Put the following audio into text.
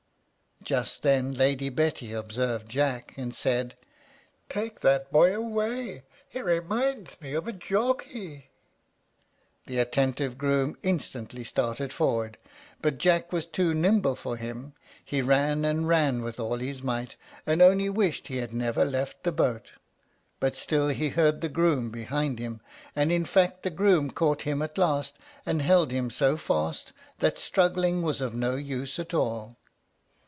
Just then Lady Betty observed Jack, and said, "Take that boy away; he reminds me of a jockey." The attentive groom instantly started forward, but Jack was too nimble for him; he ran and ran with all his might, and only wished he had never left the boat. But still he heard the groom behind him; and in fact the groom caught him at last, and held him so fast that struggling was of no use at all.